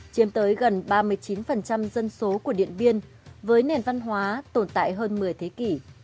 chiếm tới gần ba mươi chín dân số của điện biên với nền văn hóa tồn tại hơn một mươi thế kỷ